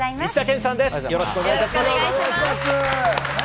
よろしくお願いします。